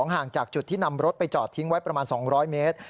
ห่างจากจุดที่นำรถไปจอดทิ้งไว้ประมาณ๒๐๐เมตร